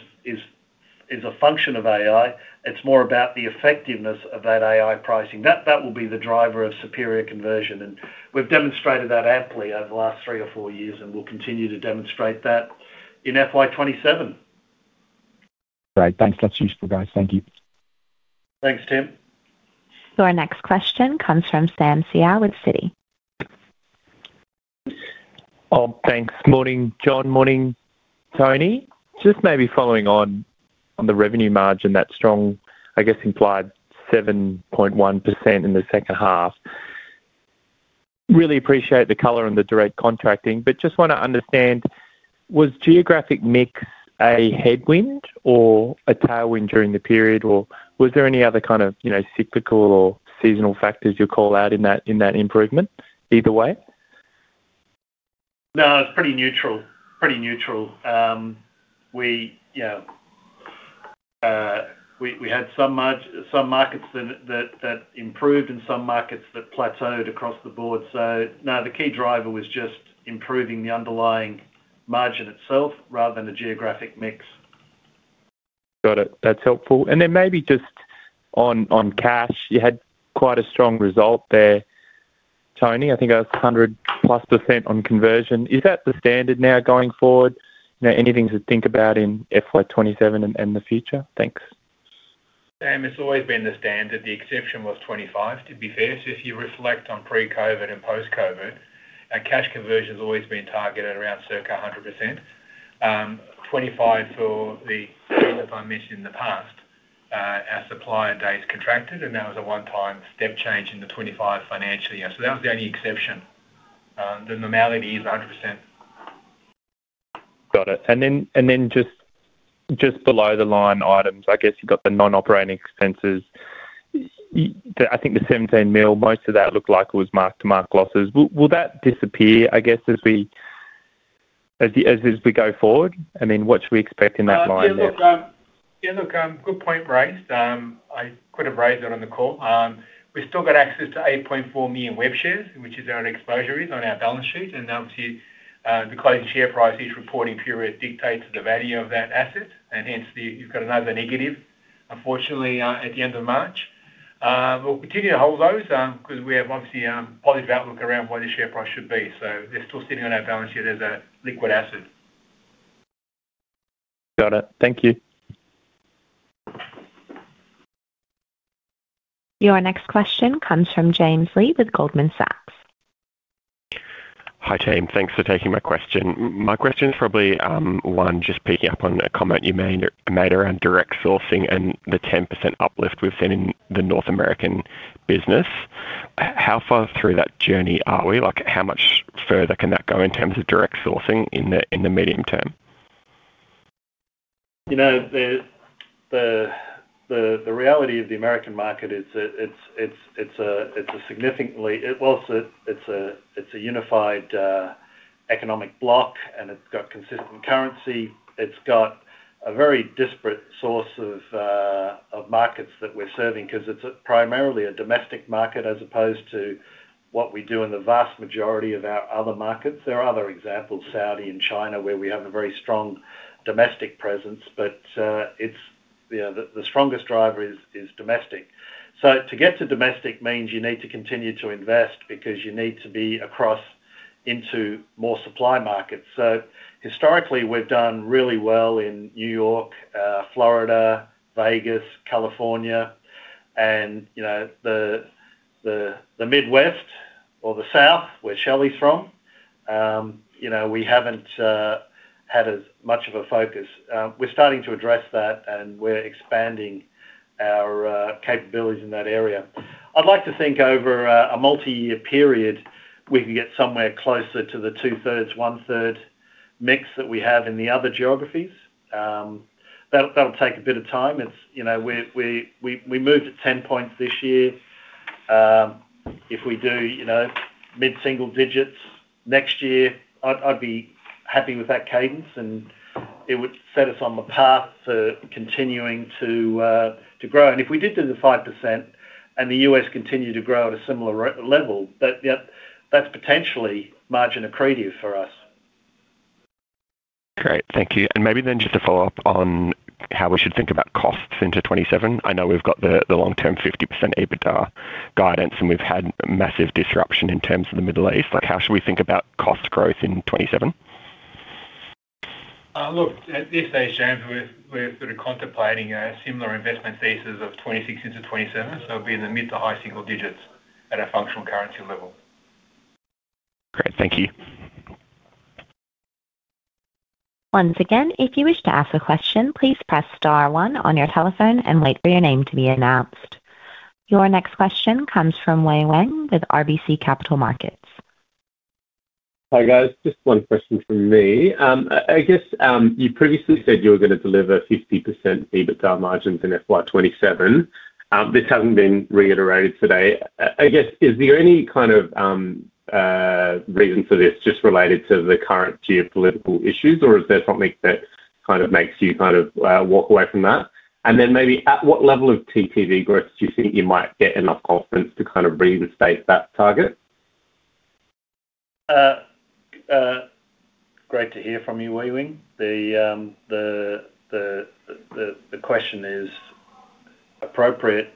a function of AI. It's more about the effectiveness of that AI pricing. That will be the driver of superior conversion, and we've demonstrated that amply over the last three or four years, and we'll continue to demonstrate that in FY 2027. Great. Thanks. That's useful, guys. Thank you. Thanks, Tim. Your next question comes from Sam Seow with Citi. Oh, thanks. Morning, John. Morning, Tony. Just maybe following on the revenue margin that's strong, I guess implied 7.1% in the second half. Really appreciate the color and the direct contracting, but just want to understand, was geographic mix a headwind or a tailwind during the period? Was there any other kind of cyclical or seasonal factors you'll call out in that improvement either way? No, it's pretty neutral. We had some markets that improved and some markets that plateaued across the board. No, the key driver was just improving the underlying margin itself rather than the geographic mix. Got it. That's helpful. Maybe just on cash, you had quite a strong result there, Tony. I think it was 100+ % on conversion. Is that the standard now going forward? Anything to think about in FY 2027 and the future? Thanks. Sam, it's always been the standard. The exception was '25, to be fair. If you reflect on pre-COVID and post-COVID, our cash conversion's always been targeted around circa 100%. '25, for the reason if I mentioned in the past, our supplier days contracted and that was a one-time step change in the '25 financial year. That was the only exception. The normality is 100%. Got it. Just below the line items, I guess you've got the non-operating expenses. I think the 17 million, most of that looked like it was mark-to-market losses. Will that disappear, I guess, as we go forward? What should we expect in that line there? Yeah, look, good point raised. I could have raised that on the call. We've still got access to 8.4 million WEB shares, which is our exposure is on our balance sheet. Obviously, the closing share price each reporting period dictates the value of that asset. Hence, you've got another negative unfortunately at the end of March. We'll continue to hold those because we have obviously a positive outlook around what the share price should be. They're still sitting on our balance sheet as a liquid asset. Got it. Thank you. Your next question comes from James Lee with Goldman Sachs. Hi, team. Thanks for taking my question. My question is probably, one, just picking up on a comment you made around direct sourcing and the 10% uplift we've seen in the North American business. How far through that journey are we? How much further can that go in terms of direct sourcing in the medium term? The reality of the American market, it's a unified economic block and it's got consistent currency. It's got a very disparate source of markets that we're serving because it's primarily a domestic market as opposed to what we do in the vast majority of our other markets. There are other examples, Saudi and China, where we have a very strong domestic presence. The strongest driver is domestic. To get to domestic means you need to continue to invest because you need to be across into more supply markets. Historically, we've done really well in New York, Florida, Vegas, California. The Midwest or the South, where Shelley's from, we haven't had as much of a focus. We're starting to address that and we're expanding our capabilities in that area. I'd like to think over a multi-year period, we can get somewhere closer to the two-thirds, one-third mix that we have in the other geographies. That'll take a bit of time. We moved it 10 points this year. If we do mid-single digits next year, I'd be happy with that cadence. It would set us on the path to continuing to grow. If we did do the 5% and the U.S. continued to grow at a similar level, that's potentially margin accretive for us. Great. Thank you. Maybe then just to follow up on how we should think about costs into '27? I know we've got the long-term 50% EBITDA guidance, and we've had massive disruption in terms of the Middle East. How should we think about cost growth in '27? Look, at this stage, James, we're contemplating similar investment thesis of 2026 into 2027, so it'll be in the mid to high single digits at a functional currency level. Great. Thank you. Once again, if you wish to ask a question, please press star one on your telephone and wait for your name to be announced. Your next question comes from [Yue Wang] with RBC Capital Markets. Hi, guys. Just one question from me. I guess, you previously said you were going to deliver 50% EBITDA margins in FY 2027. This hasn't been reiterated today. I guess, is there any kind of reason for this just related to the current geopolitical issues, or is there something that kind of makes you walk away from that? Maybe at what level of TTV growth do you think you might get enough confidence to kind of reinstate that target? Great to hear from you, Yue Wang. The question is appropriate,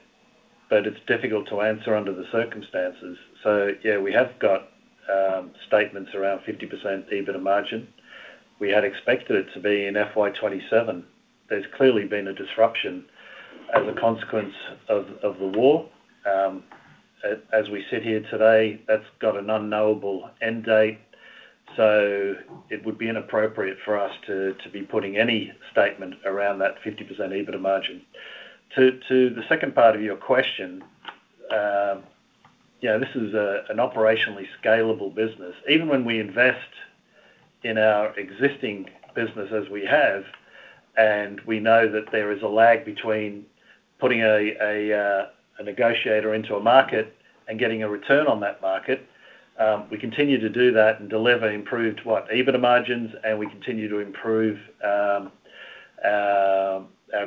it's difficult to answer under the circumstances. We have got statements around 50% EBITDA margin. We had expected it to be in FY 2027. There's clearly been a disruption as a consequence of the war. As we sit here today, that's got an unknowable end date, so it would be inappropriate for us to be putting any statement around that 50% EBITDA margin. To the second part of your question, this is an operationally scalable business. Even when we invest in our existing business as we have, and we know that there is a lag between putting a negotiator into a market and getting a return on that market. We continue to do that and deliver improved EBITDA margins, and we continue to improve our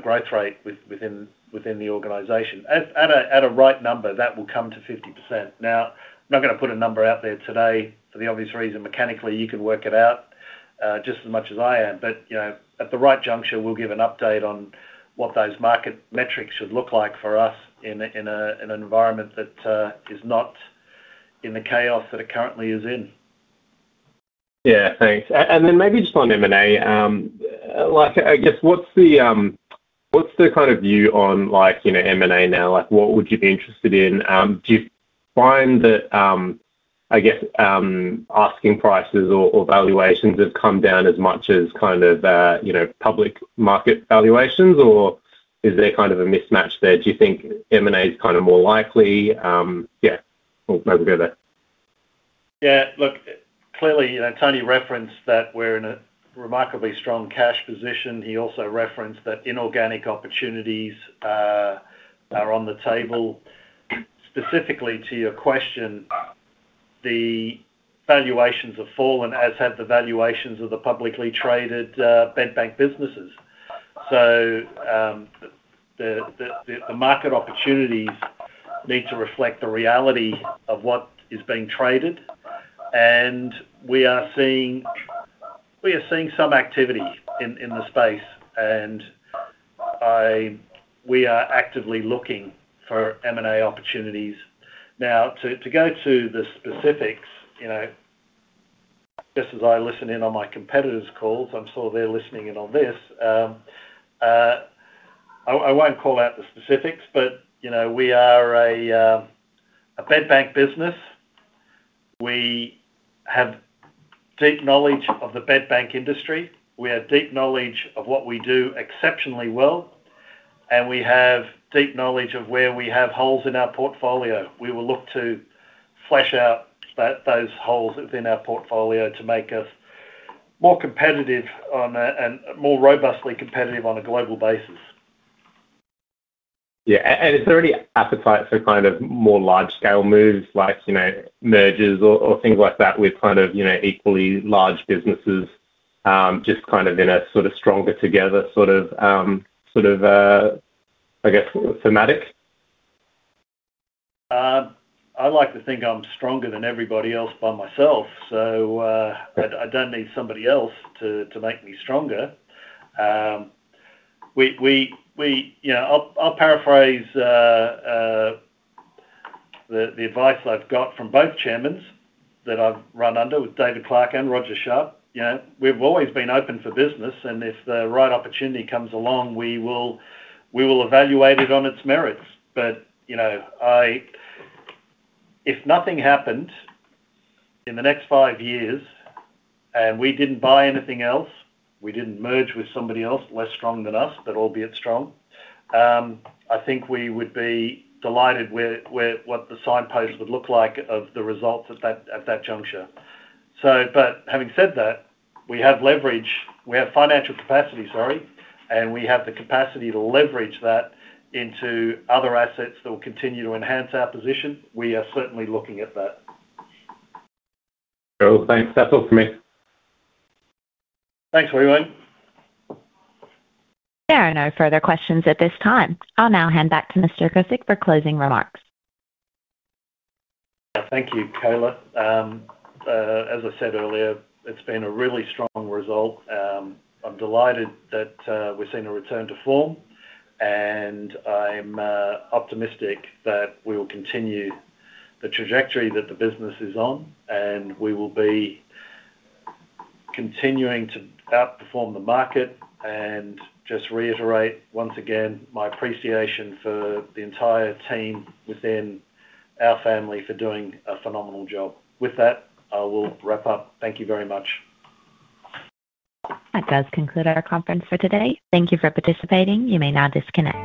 growth rate within the organization. At a right number, that will come to 50%. I'm not going to put a number out there today for the obvious reason. Mechanically, you can work it out, just as much as I am. At the right juncture, we'll give an update on what those market metrics should look like for us in an environment that is not in the chaos that it currently is in. Yeah, thanks. Then maybe just on M&A. I guess, what's the kind of view on M&A now? What would you be interested in? Do you find that, I guess, asking prices or valuations have come down as much as public market valuations, or is there kind of a mismatch there? Do you think M&A is more likely? Yeah, we'll maybe go there. Look, clearly, Tony referenced that we're in a remarkably strong cash position. He also referenced that inorganic opportunities are on the table. Specifically to your question, the valuations have fallen, as have the valuations of the publicly traded bed bank businesses. The market opportunities need to reflect the reality of what is being traded. We are seeing some activity in the space. We are actively looking for M&A opportunities. To go to the specifics, just as I listen in on my competitors' calls, I'm sure they're listening in on this. I won't call out the specifics, we are a bed bank business. We have deep knowledge of the bed bank industry. We have deep knowledge of what we do exceptionally well, we have deep knowledge of where we have holes in our portfolio. We will look to flesh out those holes within our portfolio to make us more competitive and more robustly competitive on a global basis. Yeah. Is there any appetite for more large-scale moves like mergers or things like that with equally large businesses, just in a sort of stronger together sort of, I guess, thematic? I like to think I'm stronger than everybody else by myself. I don't need somebody else to make me stronger. I'll paraphrase the advice I've got from both chairmen that I've run under with David Clarke and Roger Sharp. We've always been open for business, and if the right opportunity comes along, we will evaluate it on its merits. If nothing happened in the next five years and we didn't buy anything else, we didn't merge with somebody else less strong than us, but albeit strong, I think we would be delighted with what the signpost would look like of the results at that juncture. Having said that, we have leverage, we have financial capacity, sorry, and we have the capacity to leverage that into other assets that will continue to enhance our position. We are certainly looking at that. Cool. Thanks. That's all from me. Thanks, Yue Wang. There are no further questions at this time. I'll now hand back to John Guscic for closing remarks. Thank you, Kayla. As I said earlier, it's been a really strong result. I'm delighted that we've seen a return to form, and I'm optimistic that we will continue the trajectory that the business is on, and we will be continuing to outperform the market and just reiterate once again my appreciation for the entire team within our family for doing a phenomenal job. With that, I will wrap up. Thank you very much. That does conclude our conference for today. Thank you for participating. You may now disconnect.